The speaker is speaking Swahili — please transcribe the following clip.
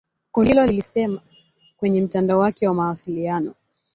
Kundi hilo lilisema kwenye mtandao wake wa mawasiliano